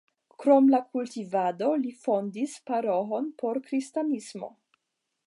Krom la kultivado li fondis paroĥon por kristanismo.